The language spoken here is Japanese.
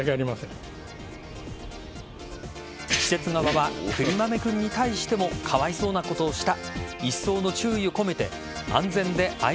施設側はくりまめ君に対してもかわいそうなことをした。